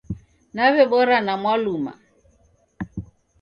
Naw'ebora na Mwaluma